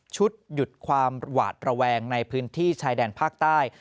หยุดความหวาดระแวงในพื้นที่ชายแดนภาคใต้